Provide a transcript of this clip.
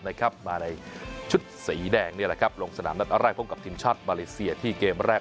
มาในชุดสีแดงนี่แหละครับลงสนามนัดแรกพบกับทีมชาติมาเลเซียที่เกมแรก